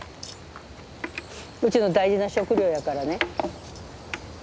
うちの大事な食料やからね。